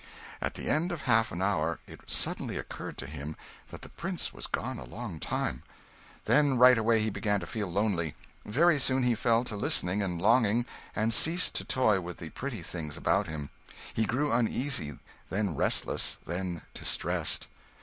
At the end of half an hour it suddenly occurred to him that the prince was gone a long time; then right away he began to feel lonely; very soon he fell to listening and longing, and ceased to toy with the pretty things about him; he grew uneasy, then restless, then distressed.